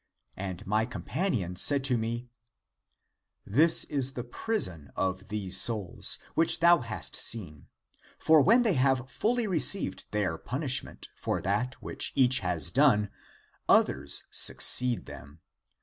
And my companion said to me, This is the prison of these souls, which thou hast seen. For when they have fully received their punishment for that which each has done, others succeed them.